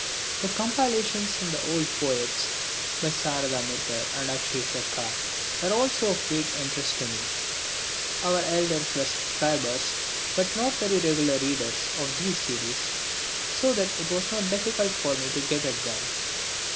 The compilations from the old poets by Sarada Mitter and Akshay Sarkar were also of great interest to me. Our elders were subscribers, but not very regular readers, of these series, so that it was not difficult for me to get at them.